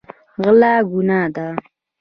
غلا ګناه ده.